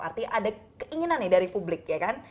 artinya ada keinginan nih dari publik ya kan